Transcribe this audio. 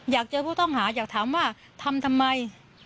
อยากเจอผู้ต้องหาอยากถามว่าทำทำไม